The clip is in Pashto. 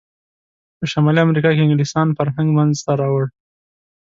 په شمالي امریکا کې انګلسان فرهنګ منځته راوړ.